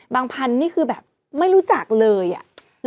พันธุ์นี่คือแบบไม่รู้จักเลยอ่ะ